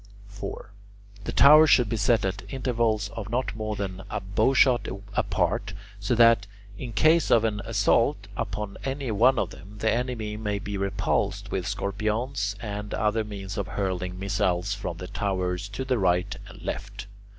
4. The towers should be set at intervals of not more than a bowshot apart, so that in case of an assault upon any one of them, the enemy may be repulsed with scorpiones and other means of hurling missiles from the towers to the right and left.